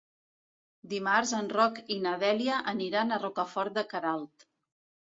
Dimarts en Roc i na Dèlia aniran a Rocafort de Queralt.